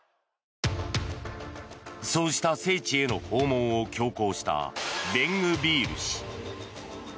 そうした聖地への訪問を強行したベングビール氏。